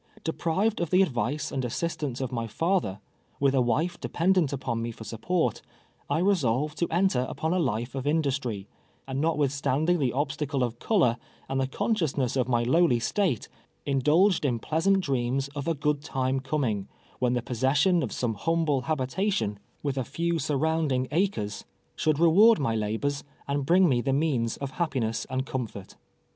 Deprived of the advice and assistance of my father, with a wife dependent uj)on. me for support, I resolved to enter upon a life of in dustry ; and notwithstanding the obstacle of color, and the consciousness of my lowly state, indulged in pleasant dreams of a good time coming, when the pos session of some humble habitation, with a few sur 2 J TWELVE YEARS A SLAVE. niunding acres, should reward my labors, and bring me the means ofluipphioss and comfort.